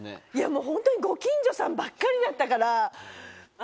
もうホントにご近所さんばっかりだったから。